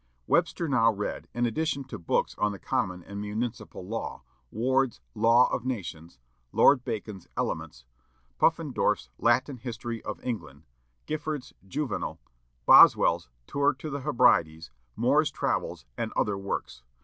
Webster now read, in addition to books on the common and municipal law, Ward's "Law of Nations," Lord Bacon's "Elements," Puffendorff's "Latin History of England," Gifford's "Juvenal," Boswell's "Tour to the Hebrides," Moore's "Travels," and other works.